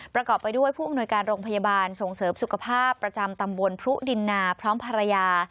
ประกอบไปด้วยผู้อำนวยการโรงพยาบาลส่งเสริมสุขภาพประจำตำบลพรุดินนาพร้อมภรรยา